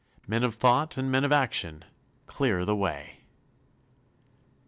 Men of thought and men of action, Clear the way!